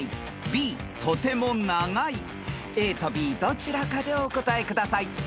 ［ＡとＢどちらかでお答えください］